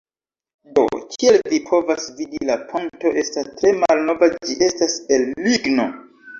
Do, kiel vi povas vidi la ponto estas tre malnova ĝi estas el ligno